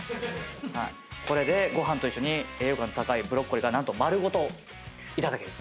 これでご飯と一緒に栄養価の高いブロッコリーが丸ごといただける。